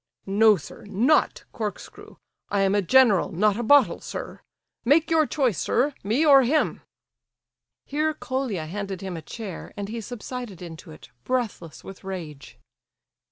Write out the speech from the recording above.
"No, sir, not corkscrew. I am a general, not a bottle, sir. Make your choice, sir—me or him." Here Colia handed him a chair, and he subsided into it, breathless with rage.